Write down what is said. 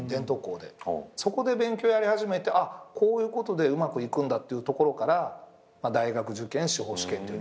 そこで勉強やり始めてこういうことでうまくいくんだっていうところから大学受験司法試験っていうふうに。